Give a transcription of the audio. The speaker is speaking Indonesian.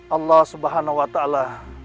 allah subhanahu wa ta'ala